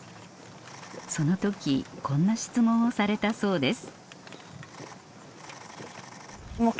その時こんな質問をされたそうです